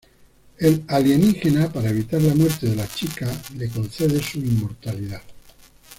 El alienígena para evitar la muerte de la chica le concede su inmortalidad.